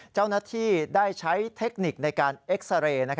เจ้าหน้าที่ได้ใช้เทคนิคในการเอ็กซาเรย์